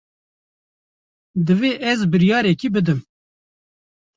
Divê ez biryarekê bidim.